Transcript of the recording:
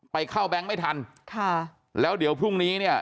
ไปเข้าแบ๊งไม่ทันแล้วพรุ่งนี้เนี่ย